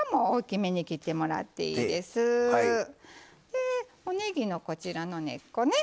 でおねぎのこちらの根っこね。